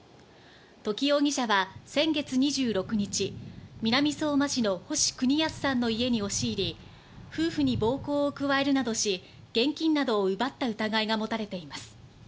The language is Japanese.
土岐容疑者は先月２６日、南相馬市の星邦康さんの家に押し入り、夫婦に暴行を加えるなどし、現金などを奪った疑いがもたれています。